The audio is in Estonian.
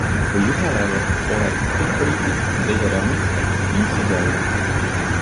Või ühel ajal oled tipp-poliitik ja teisel ajal mitte, ning siis jälle.